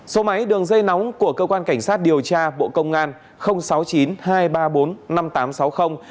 số máy đường dây nóng của cơ quan cảnh sát điều tra bộ công an sáu mươi chín hai trăm ba mươi bốn năm nghìn tám trăm sáu mươi